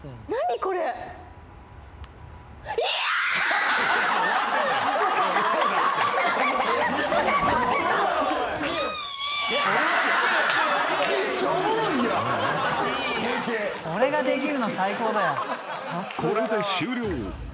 ［これで終了］